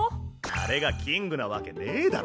あれがキングなわけねぇだろ。